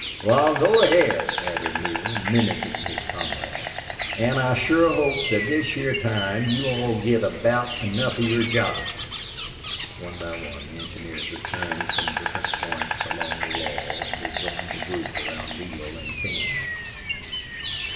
"Wal, go ahaid," added Neale, mimicking his comrade. "An' I shore hope thet this heah time you all get aboot enough of your job." One by one the engineers returned from different points along the wall, and they joined the group around Neale and King.